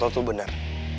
toto tuh bener